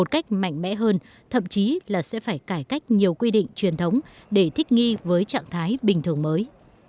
cách mạnh mẽ hơn thậm chí là sẽ phải cải cách nhiều quy định truyền thống để thích nghi với trạng thái bình thường mới